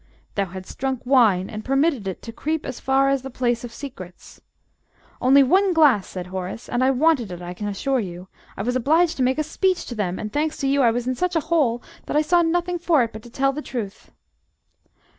"Thou hadst drunk wine and permitted it to creep as far as the place of secrets." "Only one glass," said Horace; "and I wanted it, I can assure you. I was obliged to make a speech to them, and, thanks to you, I was in such a hole that I saw nothing for it but to tell the truth."